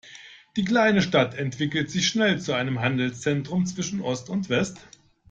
Die kleine Stadt entwickelte sich schnell zu einem Handelszentrum zwischen Ost und West.